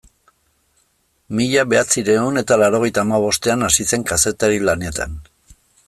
Mila bederatziehun eta laurogeita hamabostean hasi zen kazetari lanetan.